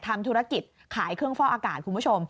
ทำธุรกิจขายเครื่องฟอกอากาศคุณผู้ชม